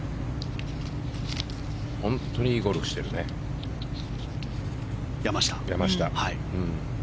本当にいいゴルフしてるね、山下。